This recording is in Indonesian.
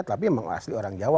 tapi memang asli orang jawa